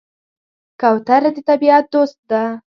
کوتره د طبیعت دوست ده.